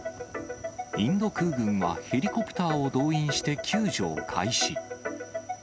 インド空軍はヘリコプターを動員して救助を開始。